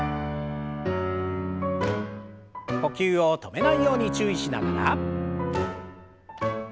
呼吸を止めないように注意しながら。